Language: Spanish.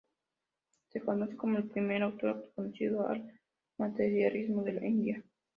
Se considera el primer autor conocido del materialismo de la India.